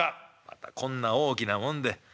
「またこんな大きなもんで。